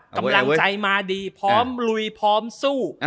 กำลังใจมาดีพร้อมลุยพร้อมสู้